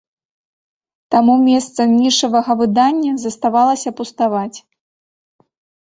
Таму месца нішавага выдання заставалася пуставаць.